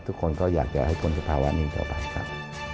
ทุกคนก็อยากจะให้พ้นสภาวะนี้ต่อไปครับ